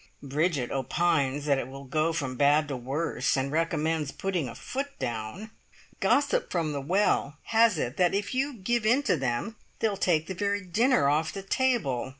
Bridget opines that it will go from bad to worse, and recommends putting a foot down. Gossip from the "Well" has it that if you "give in to them, they'll take the very dinner off the table".